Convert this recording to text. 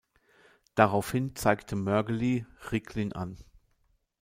Daraufhin zeigte Mörgeli Riklin an.